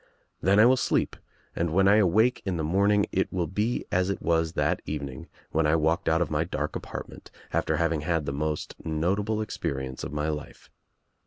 Then I will sleep and when I awake in the morning it will be as it was that evening when I walked out of my dark apartment after having had the most notable experience of my life.